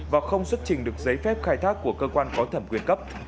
và không xuất trình được giấy phép khai thác của cơ quan có thẩm quyền cấp